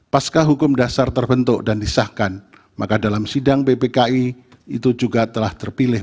pasca hukum dasar terbentuk dan disahkan maka dalam sidang ppki itu juga telah terpilih